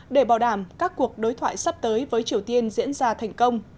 để bảo đảm các cuộc đối thoại sắp tới với triều tiên diễn ra thành công